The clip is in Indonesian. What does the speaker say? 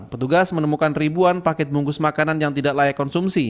petugas menemukan ribuan paket bungkus makanan yang tidak layak konsumsi